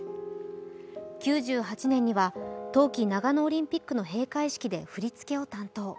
９８年には冬季長野オリンピックの閉会式で振り付けを担当。